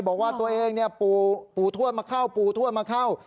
บอกว่าตัวเองปู่ทวดมาเข้า